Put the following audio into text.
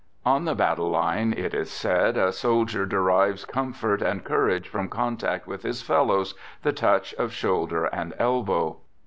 On the battle line, it is said a soldier derives com fort and courage from contact with his fellows, the touch of shoulder and elbow.